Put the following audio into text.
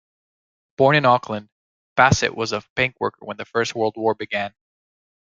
Born in Auckland, Bassett was a bank worker when the First World War began.